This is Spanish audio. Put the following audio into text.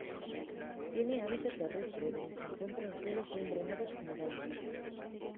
Tiene hábito terrestre donde se encuentra en suelos bien drenados generalmente.